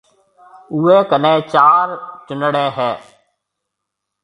اوَي ڪنَي چار چونڙَي هيَ۔